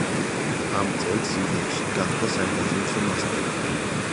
ამ წელს იგი გახდა საერთაშორისო მასტერი.